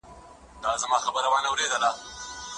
خپلو غاښونو ته مسواک ووهئ.